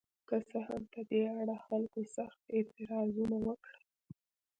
که څه هم په دې اړه خلکو سخت اعتراضونه وکړل.